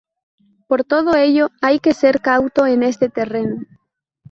Por todo ello hay que ser cauto en este terreno.